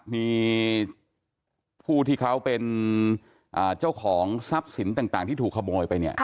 มีผู้ที่เขาเป็นเจ้าของทรัพย์สินต่างที่ถูกขโมยไปเนี่ย